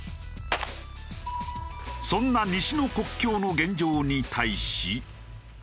そんな西の国境の現状に対し。